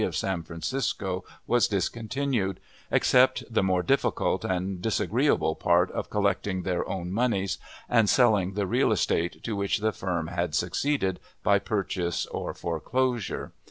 of San Francisco, was discontinued, except the more difficult and disagreeable part of collecting their own moneys and selling the real estate, to which the firm had succeeded by purchase or foreclosure.